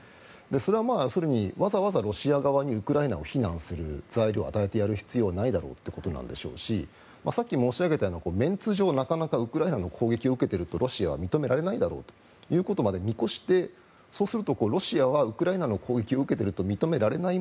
それは、わざわざロシア側にウクライナを非難する材料を与えてやる必要はないだろうということなんでしょうしさっき申し上げたようなメンツ上、なかなかウクライナの攻撃を受けているとロシアは認められないだろうということまで見越してそうするとロシアはウクライナの攻撃を受けていると認められない